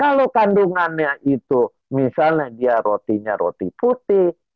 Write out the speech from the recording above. kalau kandungannya itu misalnya dia rotinya roti putih